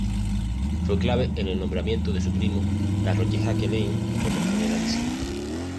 Fue clave en el nombramiento de su primo La Rochejaquelein como generalísimo.